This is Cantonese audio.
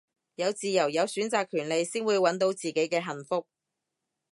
有自由有選擇權利先會搵到自己嘅幸福